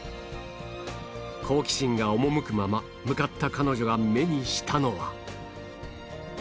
好奇心が赴くまま向かった彼女が目にしたのは